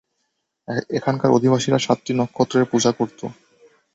এখানকার অধিবাসীরা সাতটি নক্ষত্রের পূজা করত।